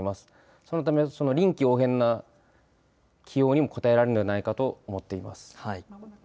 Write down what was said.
そのため、臨機応変な起用にも応えられるのではないかと思っています。